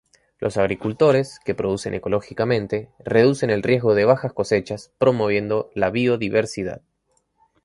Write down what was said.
Los agricultores que producen ecológicamente reducen el riesgo de bajas cosechas promoviendo la biodiversidad.